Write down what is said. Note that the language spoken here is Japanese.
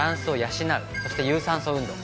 そして有酸素運動。